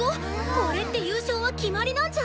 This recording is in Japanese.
これって優勝は決まりなんじゃ！